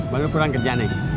belum pulang kerja neng